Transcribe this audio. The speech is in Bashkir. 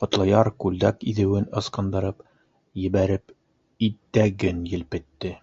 Ҡотлояр, күлдәк иҙеүен ысҡындырып ебәреп, итәген елпетте: